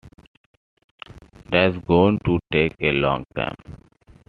That's going to take a long time.